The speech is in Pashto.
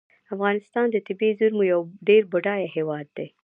افغانستان د طبیعي زیرمو یو ډیر بډایه هیواد دی.